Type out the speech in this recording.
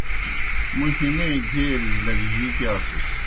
موْ ہِنے گھیرِجیْ لگجی گِیاسُن۔